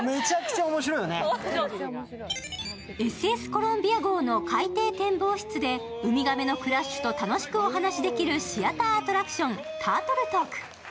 ＳＳコロンビア号の海底展望室でウミガメのクラッシュと楽しくお話しできるシアターアトラクション、タートルトーク。